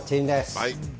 はい。